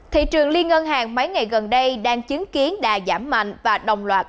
thị trường liên ngân hàng mấy ngày gần đây đang chứng kiến đà giảm mạnh và đồng loạt